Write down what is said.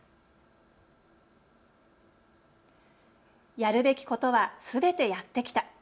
やるべきことはすべてやってきた。